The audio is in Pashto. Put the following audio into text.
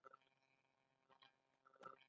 ساقي وویل ټول سره یو ځای کړئ او وتړئ.